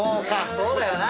そうだよな！